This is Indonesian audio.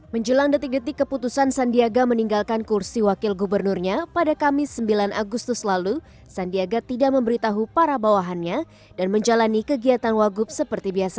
menjelang detik detik keputusan sandiaga meninggalkan kursi wakil gubernurnya pada kamis sembilan agustus lalu sandiaga tidak memberitahu para bawahannya dan menjalani kegiatan wagub seperti biasa